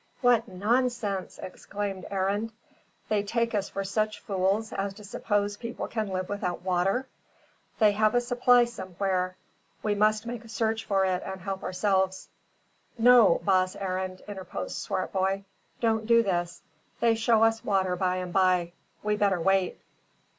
"What nonsense!" exclaimed Arend. "They take us for such fools as to suppose people can live without water! They have a supply somewhere. We must make a search for it and help ourselves." "No, baas Arend," interposed Swartboy. "Don't do this. They show us water by an by. We better wait."